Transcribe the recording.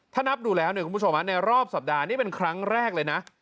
ถ้านับดูแล้วเนี่ยคุณผู้ชมในรอบสัปดาห์นี่เป็นครั้งแรกเลยนะ